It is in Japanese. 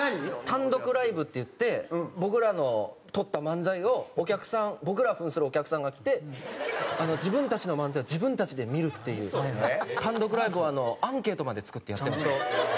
単独ライブっていって僕らの撮った漫才をお客さん僕ら扮するお客さんが来て自分たちの漫才を自分たちで見るっていう単独ライブをアンケートまで作ってやってました。